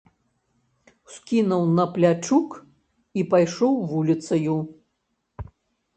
Ускінуў на плячук і пайшоў вуліцаю.